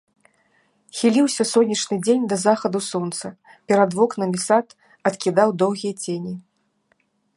Хіліўся сонечны дзень да захаду сонца, перад вокнамі сад адкідаў доўгія цені.